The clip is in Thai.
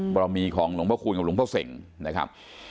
บรมีของหลวงพระคูณกับหลวงพ่อเสงนะครับ